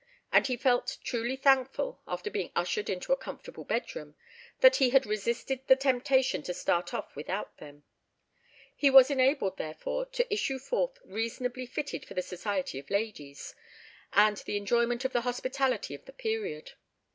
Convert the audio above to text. And he felt truly thankful, after being ushered into a comfortable bedroom, that he had resisted the temptation to start off without them. He was enabled, therefore, to issue forth reasonably fitted for the society of ladies, and the enjoyment of the hospitality of the period.